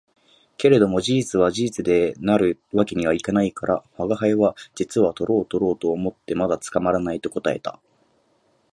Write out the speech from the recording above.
けれども事実は事実で偽る訳には行かないから、吾輩は「実はとろうとろうと思ってまだ捕らない」と答えた